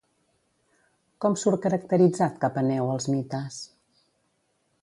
Com surt caracteritzat, Capaneu, als mites?